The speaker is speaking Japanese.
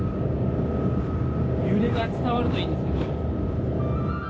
揺れが伝わるといいんですけど。